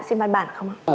xin văn bản không ạ